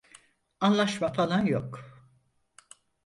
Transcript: Anlaşma falan yok.